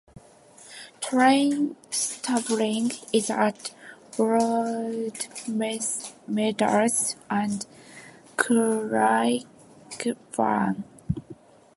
Train stabling is at Broadmeadows and Craigieburn.